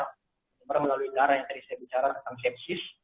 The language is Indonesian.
sementara melalui darah yang tadi saya bicara tentang sepsis